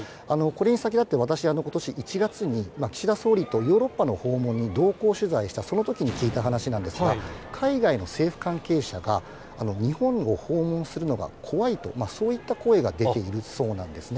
これに先立って、私はことし１月に岸田総理とヨーロッパの訪問に同行取材したそのときに聞いた話なんですが、海外の政府関係者が、日本を訪問するのは怖いと、そういった声が出ているそうなんですね。